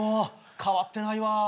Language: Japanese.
変わってないわ。